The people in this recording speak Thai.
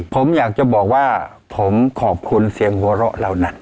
ผมอยากจะบอกว่าผมขอบคุณเสียงหัวเราะเรานะ